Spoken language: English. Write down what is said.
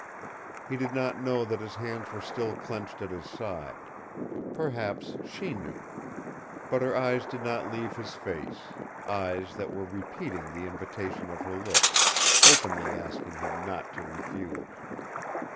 He did not know that his hands were still clenched at his side. Perhaps she knew. But her eyes did not leave his face, eyes that were repeating the invitation of her lips, openly asking him not to refuse.